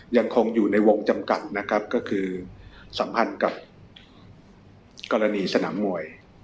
ยังคงอยู่ในวงจำกัดนะครับก็คือสัมพันธ์กับกรณีสนามมวย